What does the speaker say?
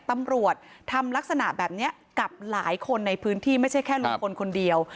ตำรวจทำลักษณะแบบนี้กับหลายคนในพื้นที่ไม่ใช่แค่ลุงพลคนเดียว